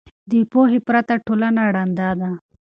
د پوهې پرته ټولنه ړنده ده.